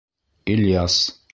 Ильяс.